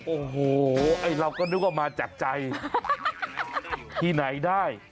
โอ้โหไอ้เราก็นึกว่ามาจากใจที่ไหนได้